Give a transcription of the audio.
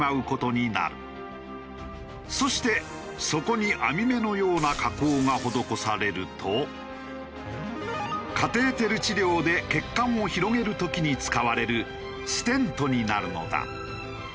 そしてそこに網目のような加工が施されるとカテーテル治療で血管を広げる時に使われるステントになるのだ。